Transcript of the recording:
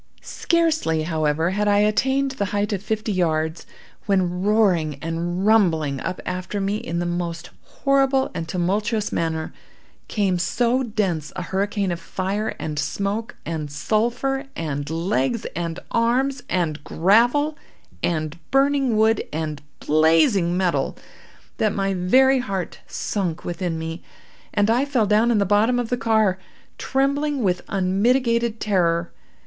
"Scarcely, however, had I attained the height of fifty yards, when, roaring and rumbling up after me in the most horrible and tumultuous manner, came so dense a hurricane of fire, and smoke, and sulphur, and legs and arms, and gravel, and burning wood, and blazing metal, that my very heart sunk within me, and I fell down in the bottom of the car, trembling with unmitigated terror.